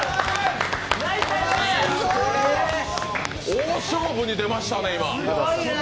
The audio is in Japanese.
大勝負に出ましたね、今。